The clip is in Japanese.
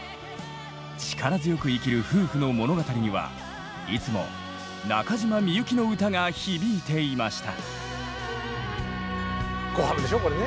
力強く生きる夫婦の物語にはいつも中島みゆきの歌が響いていました。